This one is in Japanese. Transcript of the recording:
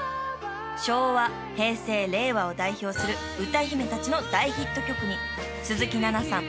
［昭和平成令和を代表する歌姫たちの大ヒット曲に鈴木奈々さん